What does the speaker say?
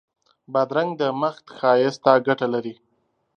بادرنګ د مخ ښایست ته ګټه لري.